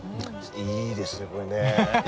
いいですねこれね。